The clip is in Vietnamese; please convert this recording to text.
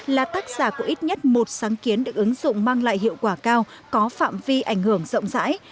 là tác giả của ít nhất một sáng kiến được ứng dụng mang lại hiệu quả cao có phạm vi ảnh hưởng rộng rãi